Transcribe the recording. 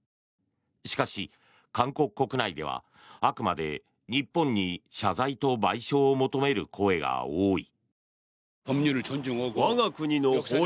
しかし、韓国国内ではあくまで日本に謝罪と賠償を求める声が多い。